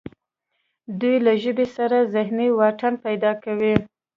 دوی له ژبې سره ذهني واټن پیدا کوي